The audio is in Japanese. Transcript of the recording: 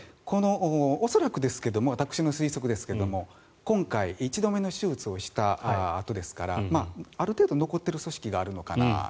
恐らくですが、私の推測ですが今回、１度目の手術をしたあとですからある程度残っている組織があるのかなと。